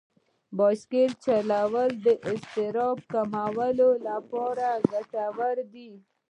بایسکل چلول د اضطراب کمولو لپاره ګټور دي.